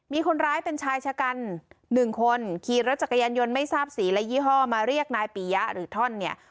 มีคนร้ายเป็นชายชะกัน๑คนขี่รถจักรยานยนต์ไม่ทราบสีและยี่ห้อมาเรียกนายปียะหรือท่อนเนี่ย